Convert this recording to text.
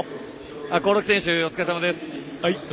興梠選手、お疲れさまです。